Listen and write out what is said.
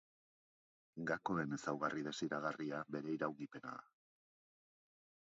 Gakoen ezaugarri desiragarria bere iraungipena da.